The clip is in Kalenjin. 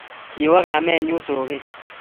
kiwo kamenyu soket